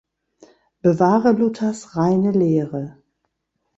Bewahre Luthers reine Lehre.